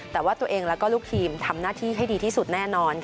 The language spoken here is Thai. แต่ว่าตัวเองแล้วก็ลูกทีมทำหน้าที่ให้ดีที่สุดแน่นอน